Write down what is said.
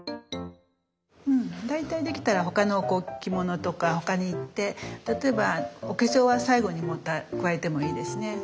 大体できたら他の着物とか他にいって例えばお化粧は最後に加えてもいいですね。